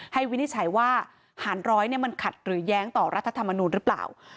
วินิจฉัยว่าหารร้อยมันขัดหรือแย้งต่อรัฐธรรมนูลหรือเปล่า